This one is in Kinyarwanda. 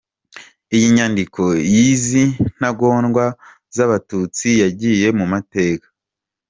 Iyi nyandiko yizi ntagondwa z’abatutsi yagiye mumateka.